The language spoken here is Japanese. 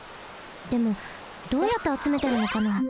でもどうやってあつめてるのかな？